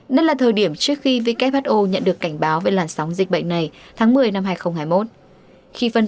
đây là thời điểm trước khi who nhận được cảnh báo về làn sóng dịch bệnh này tháng một mươi năm hai nghìn hai mươi một